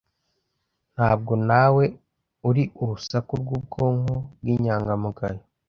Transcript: ntabwo nawe uri urusaku rwubwonko bwinyangamugayo